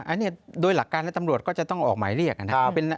อันนี้โดยหลักการแล้วตำรวจก็จะต้องออกหมายเรียกนะครับ